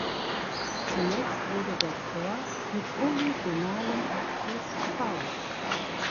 Zunächst wurde der Chor mit polygonalem Abschluss gebaut.